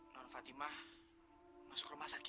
nen fatima masuk rumah sakit